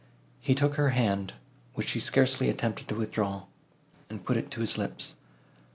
He took her hand, which she scarcely attempted to withdraw, and put it to his lips.